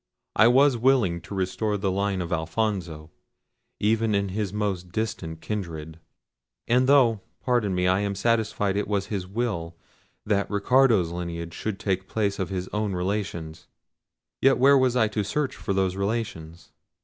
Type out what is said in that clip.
I was willing to restore the line of Alfonso, even in his most distant kindred. And though, pardon me, I am satisfied it was his will that Ricardo's lineage should take place of his own relations; yet where was I to search for those relations?